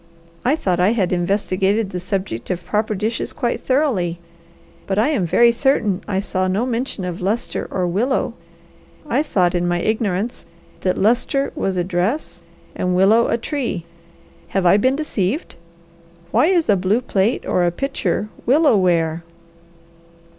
I thought I had investigated the subject of proper dishes quite thoroughly; but I am very certain I saw no mention of lustre or willow. I thought, in my ignorance, that lustre was a dress, and willow a tree. Have I been deceived? Why is a blue plate or pitcher willow ware?"